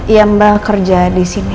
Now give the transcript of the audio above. ya mbak kerja disini